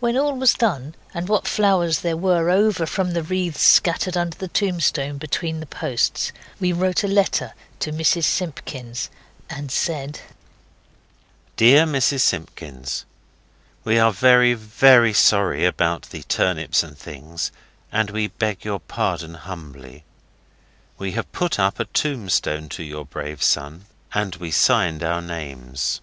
When all was done, and what flowers there were over from the wreaths scattered under the tombstone between the posts, we wrote a letter to Mrs Simpkins, and said DEAR MRS SIMPKINS We are very, very sorry about the turnips and things, and we beg your pardon humbly. We have put up a tombstone to your brave son. And we signed our names.